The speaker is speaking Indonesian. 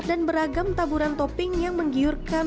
dan beragam taburan topping yang menggiurkan